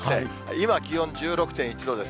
今、気温１６．１度です。